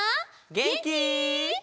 げんき？